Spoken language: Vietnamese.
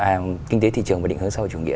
à kinh tế thị trường và định hướng sau chủ nghĩa